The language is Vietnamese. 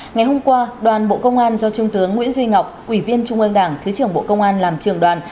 ngày hôm qua đoàn bộ công an do trung tướng nguyễn duy ngọc ủy viên trung ương đảng thứ trưởng bộ công an làm trường đoàn